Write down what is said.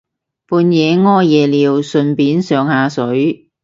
半夜屙夜尿順便上下水